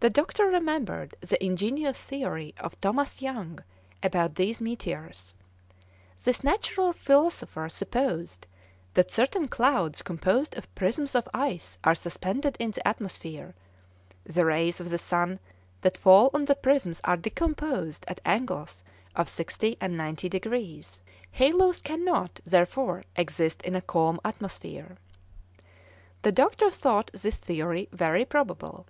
The doctor remembered the ingenious theory of Thomas Young about these meteors; this natural philosopher supposed that certain clouds composed of prisms of ice are suspended in the atmosphere; the rays of the sun that fall on the prisms are decomposed at angles of sixty and ninety degrees. Halos cannot, therefore, exist in a calm atmosphere. The doctor thought this theory very probable.